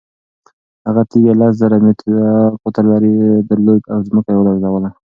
هغې تیږې لس زره متره قطر درلود او ځمکه یې ولړزوله.